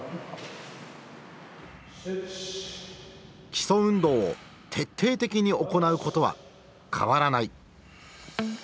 基礎運動を徹底的に行うことは変わらない。